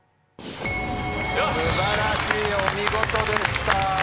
素晴らしいお見事でした。